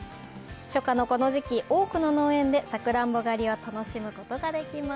初夏のこの時期、多くの農園でさくらんぼ狩りを楽しむことができます。